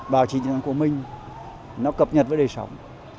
báo chí nhà nước của mình nó cập nhật với đề sống